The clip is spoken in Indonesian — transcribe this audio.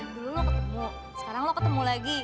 belum lu ketemu sekarang lu ketemu lagi